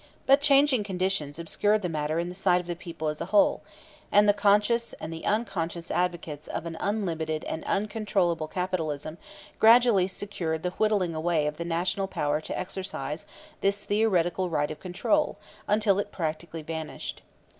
But changing conditions obscured the matter in the sight of the people as a whole; and the conscious and the unconscious advocates of an unlimited and uncontrollable capitalism gradually secured the whittling away of the National power to exercise this theoretical right of control until it practically vanished.